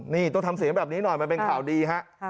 นี่ต้องทำเสียงแบบนี้หน่อยมันเป็นข่าวดีฮะ